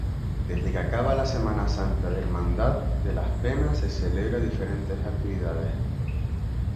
Desde que acaba la Semana Santa la Hermandad de las Penas celebra diferentes actividades.